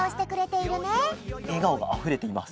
えがおがあふれています。